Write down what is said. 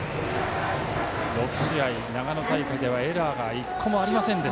６試合、長野大会でエラーが１個もない上田西。